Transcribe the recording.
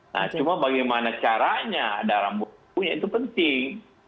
nah cuma bagaimana caranya ada rambut punya itu penting